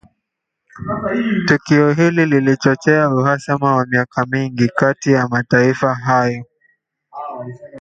Tukio hili lilichochea uhasama wa miaka mingi kati ya mataifa hayo